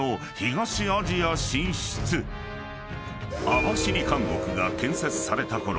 ［網走監獄が建設されたころ